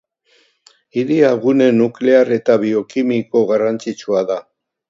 Hiria gune nuklear eta biokimiko garrantzitsua da.